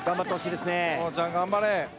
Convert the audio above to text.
そのちゃん頑張れ。